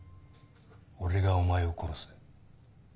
俺がお前を殺す。